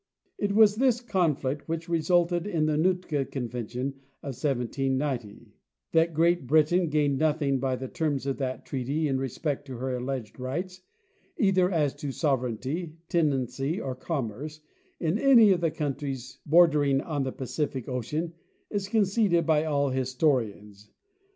It was this conflict which resulted in the Nootka convention of 1790, That Great Britain gained nothing by the terms of that treaty in respect to her alleged rights, either as to sovereignty, tenancy, or commerce in any of the countries bordering on the Pacific ocean, is conceded by all historians.